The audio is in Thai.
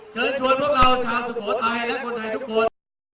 เชิญชวนพวกเราชาวสุโขทัยและคนไทยทุกคน